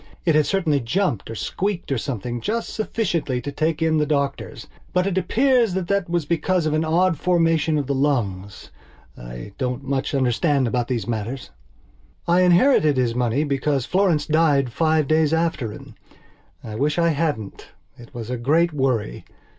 It had certainly jumped or squeaked or something just sufficiently to take in the doctors, but it appears that that was because of an odd formation of the lungs. I don't much understand about these matters. I inherited his money because Florence died five days after him. I wish I hadn't. It was a great worry.